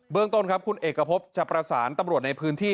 ต้นครับคุณเอกพบจะประสานตำรวจในพื้นที่